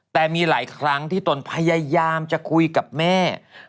แต่มีหลายครั้งที่ตนพยายามจะคุยกับแม่